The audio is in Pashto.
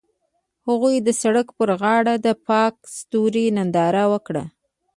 هغوی د سړک پر غاړه د پاک ستوري ننداره وکړه.